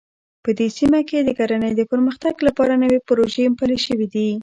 په دې سیمه کې د کرنې د پرمختګ لپاره نوې پروژې پلې شوې دي